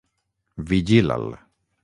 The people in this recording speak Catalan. Vigila'l.